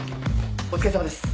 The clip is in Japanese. お疲れさまです。